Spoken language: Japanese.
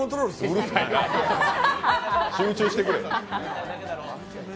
うるさいな、集中してくれ。